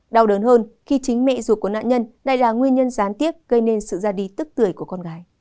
đau đớn hơn khi chính mẹ ruột của nạn nhân đây là nguyên nhân gián tiếp gây nên sự ra đi tức tuổi của con gái